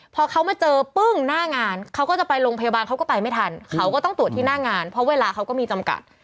พอเขามาเจอปึ้งหน้างานเขาก็จะไปโรงพยาบาลเขาก็ไปไม่ทันเขาก็ต้องตรวจที่หน้างานเพราะเวลาเขาก็มีจำกัด